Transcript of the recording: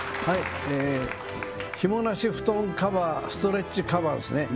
ひもなし布団カバーストレッチカバーですね